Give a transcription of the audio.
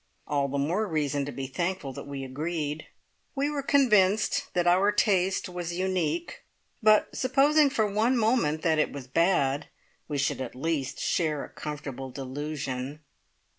All the more reason to be thankful that we agreed. We were convinced that our taste was unique; but supposing for one moment that it was bad, we should at least share a comfortable delusion!